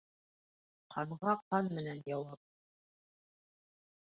Ҡанға ҡан менән яуап.